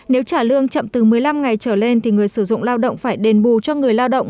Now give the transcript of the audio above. nếu trả lương chậm từ một mươi năm ngày trở lên thì người sử dụng lao động phải đền bù cho người lao động